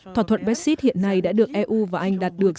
thỏa thuận brexit hiện nay đã được eu và anh đạt được